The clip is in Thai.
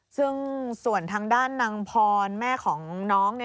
ซึ่งส่วนทางด้านนางพรแม่ของน้อง